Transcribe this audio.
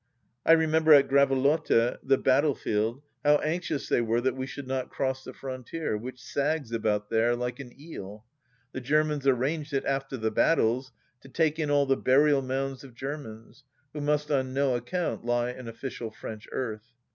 I remember at Gravelotte — the battle field — how anxious they were that we should not cross the frontier, which saggs about there like an eel. The Germans arranged it, after the battles, to take in all the burial mounds of Ger mans, who must on no account lie in official French earth. ...